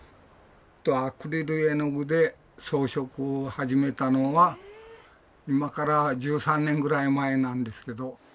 アクリル絵の具で装飾を始めたのは今から１３年ぐらい前なんですけど。